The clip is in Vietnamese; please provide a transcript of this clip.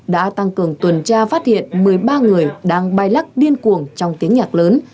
đã tăng cường tuần tra phát hiện một mươi ba người đang bay lắc điên cuồng trong tiếng nhạc lớn